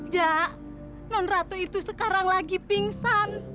jak non ratu itu sekarang lagi pingsan